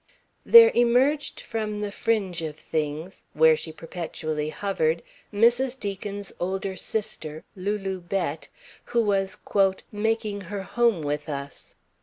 There emerged from the fringe of things, where she perpetually hovered, Mrs. Deacon's older sister, Lulu Bett, who was "making her home with us."